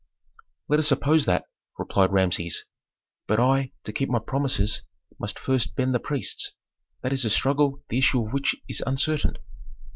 "Let us suppose that," replied Rameses. "But I, to keep my promises, must first bend the priests. That is a struggle the issue of which is uncertain."